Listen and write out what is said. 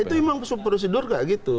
itu emang prosedur kayak gitu